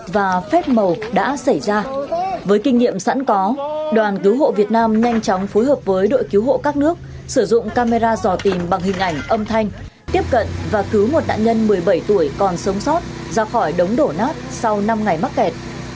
và phép màu đã xảy ra với kinh nghiệm sẵn có đoàn cứu hộ việt nam nhanh chóng phối hợp với đội cứu hộ các nước sử dụng camera dò tìm bằng hình ảnh âm thanh tiếp cận và cứu một nạn nhân một mươi bảy tuổi còn sống sót ra khỏi đống đổ nát sau năm ngày mắc kẹt